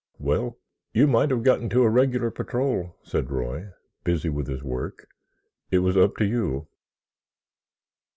Well, you might have got into a regular patrol," said Roy, busy with his work. "It was up to you."